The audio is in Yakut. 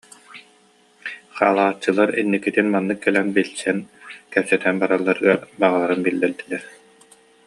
Хаалааччылар инникитин маннык кэлэн билсэн, кэпсэтэн баралларыгар баҕаларын биллэрдилэр